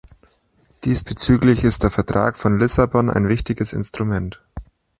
Diesbezüglich ist der Vertrag von Lissabon ein wichtiges Instrument.